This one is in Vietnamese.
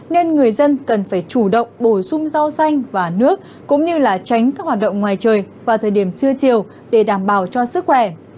nên người dân cần phải chủ động bổ sung rau xanh và nước cũng như là tránh các hoạt động ngoài trời vào thời điểm trưa chiều để đảm bảo cho sức khỏe